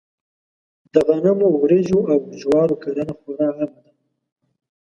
د غنمو، وريجو او جوارو کرنه خورا عامه ده.